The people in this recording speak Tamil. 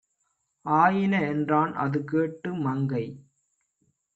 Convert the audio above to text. ஆயின" என்றான். அதுகேட்டு மங்கை